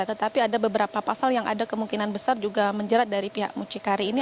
tetapi ada beberapa pasal yang ada kemungkinan besar juga menjerat dari pihak mucikari ini